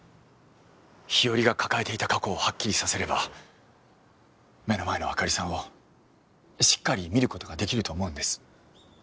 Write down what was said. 日和が抱えていた過去をはっきりさせれば目の前の朱莉さんをしっかり見る事ができると思うんです。